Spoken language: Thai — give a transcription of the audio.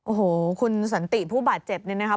โอ้โหคุณสันติผู้บาดเจ็บเนี่ยนะครับ